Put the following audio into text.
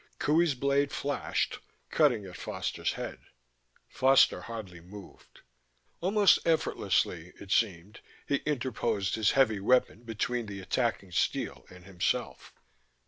Qohey's blade flashed, cutting at Foster's head. Foster hardly moved. Almost effortlessly, it seemed, he interposed his heavy weapon between the attacking steel and himself.